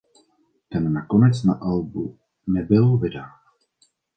Ten nakonec na albu nebyl vydán.